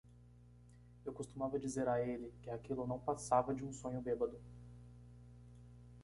Eu costumava dizer a ele que aquilo não passava de um sonho bêbado.